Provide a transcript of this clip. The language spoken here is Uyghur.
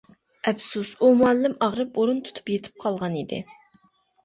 ئەپسۇس، ئۇ مۇئەللىم ئاغرىپ ئورۇن تۇتۇپ يېتىپ قالغان ئىدى.